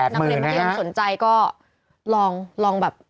๘หมื่นนะครับนักเรียนสนใจก็ลองลองแบบ